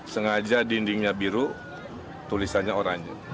sengaja dindingnya biru tulisannya oranye